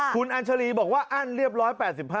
คุณอัญชาลีบอกว่าอั้นเรียบร้อย๘๕